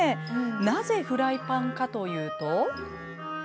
なぜフライパンかというと。